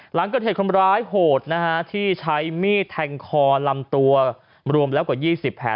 หลังเกิดเหตุคนร้ายโหดนะฮะที่ใช้มีดแทงคอลำตัวรวมแล้วกว่า๒๐แผล